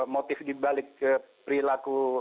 motif di balik ke perilaku